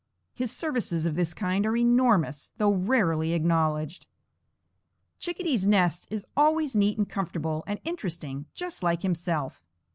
His services of this kind are enormous, though rarely acknowledged. Chickadee's nest is always neat and comfortable and interesting, just like himself.